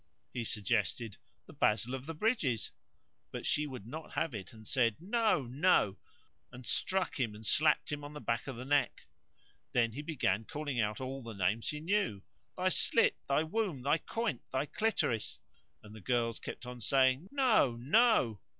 He suggested, "The basil of the bridges;" but she would not have it and she said, "No! no!" and struck him and slapped him on the back of the neck. Then he began calling out all the names he knew, "Thy slit, thy womb, thy coynte, thy clitoris;" and the girls kept on saying, "No! no!"